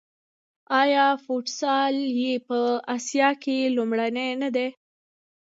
آیا فوټسال یې په اسیا کې لومړی نه دی؟